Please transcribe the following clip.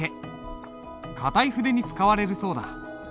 硬い筆に使われるそうだ。